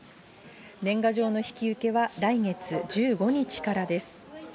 年賀状の引き受けは来月１５日からです。